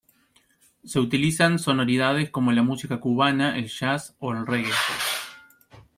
Se utilizan sonoridades como la música cubana, el jazz o el reggae.